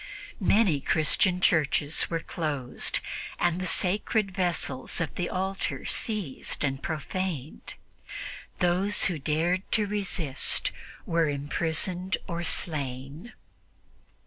Many Christian churches were closed, and the sacred vessels of the altar seized and profaned. Those who dared resist were imprisoned or slain.